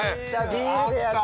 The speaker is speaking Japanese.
ビールでやった。